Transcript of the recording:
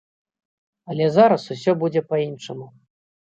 Але зараз усё будзе па-іншаму.